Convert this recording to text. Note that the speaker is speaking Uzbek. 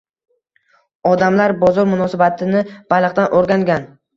Odamlar “bozor munosabati” ni baliqdan o’rgangan.